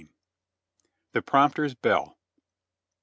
THE prompter's BELL.